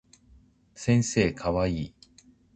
先生かわいい